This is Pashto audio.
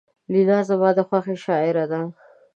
لینا زما د خوښې شاعره ده